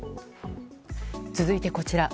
続いて、こちら。